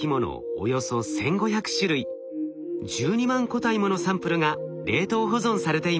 およそ１，５００種類１２万個体ものサンプルが冷凍保存されています。